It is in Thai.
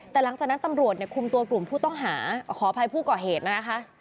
แต่หลังจากนั้นตำรวจเนี่ยคุมตัวกลุ่มผู้ต้องหาขออภัยผู้ก่อเหตุนะคะ